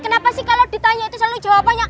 kenapa sih kalau ditanya itu selalu jawabannya